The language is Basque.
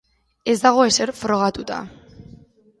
Ez dago ezer frogatuta.